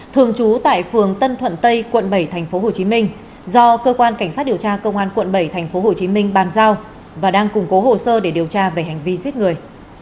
thường trú tại phường tân thuận tây quận bảy tp hcm do cơ quan cảnh sát điều tra công an quận bảy tp hcm bàn giao và đang củng cố hồ sơ để điều tra về hành vi giết người